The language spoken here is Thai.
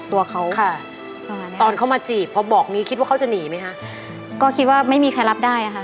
แต่สุดท้ายเขาก็รับได้